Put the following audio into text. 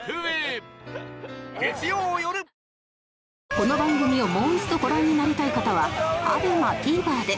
この番組をもう一度ご覧になりたい方は ＡＢＥＭＡＴＶｅｒ で